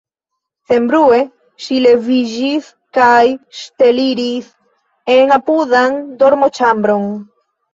Senbrue ŝi leviĝis kaj ŝteliris en apudan dormoĉambron.